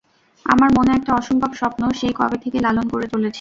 আমার মনে একটা অসম্ভব স্বপ্ন সেই কবে থেকে লালন করে চলেছি।